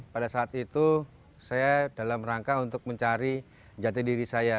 pada saat itu saya dalam rangka untuk mencari jati diri saya